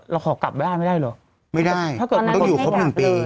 เราขอกลับบ้านไม่ได้เหรอไม่ได้ถ้าเกิดมันต้องอยู่ครบหนึ่งปี